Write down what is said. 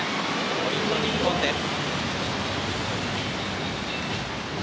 ポイントは日本です。